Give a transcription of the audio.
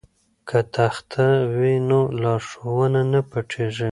که تخته وي نو لارښوونه نه پټیږي.